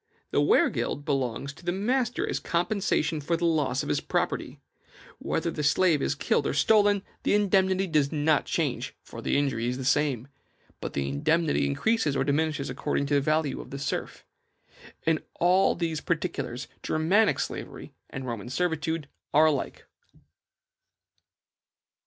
The wehrgeld belongs to the master as a compensation for the loss of his property. Whether the slave is killed or stolen, the indemnity does not change, for the injury is the same; but the indemnity increases or diminishes according to the value of the serf. In all these particulars Germanic slavery and Roman servitude are alike."